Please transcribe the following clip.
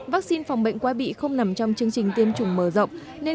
vắc xin phòng bệnh quai bị không nằm trong chương trình tiêm chủng mở rộng